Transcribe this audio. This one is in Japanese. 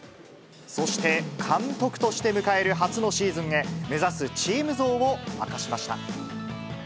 そして監督として迎える初のシーズンへ、目指すチーム像を明かしました。